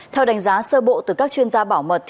theo đánh giá sơ bộ từ các chuyên gia bảo mật